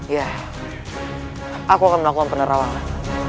ya aku akan melakukan penerawangan